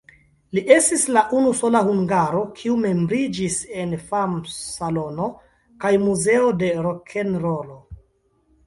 Li estis la unusola hungaro, kiu membriĝis en Fam-Salono kaj Muzeo de Rokenrolo.